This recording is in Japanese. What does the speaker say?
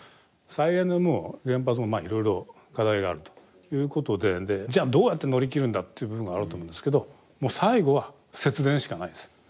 再エネも原発もまあいろいろ課題があるということでじゃあどうやって乗り切るんだっていう部分があると思うんですけどもう最後は節電しかないです。